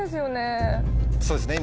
そうですね